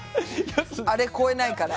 あれ超えないから。